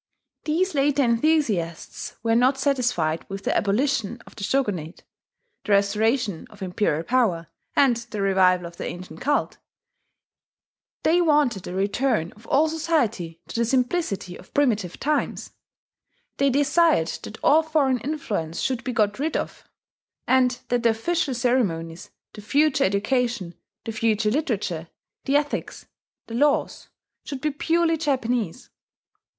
These later enthusiasts were not satisfied with the abolition of the Shogunate, the restoration of imperial power, and the revival of the ancient cult: they wanted a return of all society to the simplicity of primitive times; they desired that all foreign influence should be got rid of, and that the official ceremonies, the future education, the future literature, the ethics, the laws, should be purely Japanese.